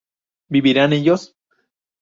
¿vivirán ellos?